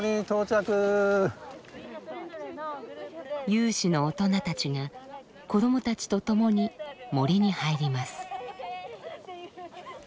有志の大人たちが子どもたちと共に森に入ります。